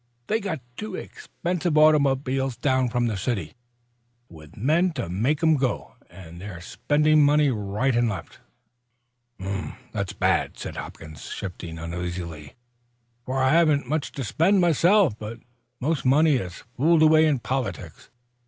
They've got two expensive automobiles down from the city, with men to make them go, and they're spending money right and left." "That's bad," said Hopkins, shifting uneasily, "for I haven't much to spend, myself. But most money is fooled away in politics.